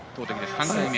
３回目。